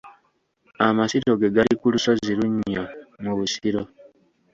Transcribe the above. Amasiro ge gali ku lusozi Lunnyo mu Busiro.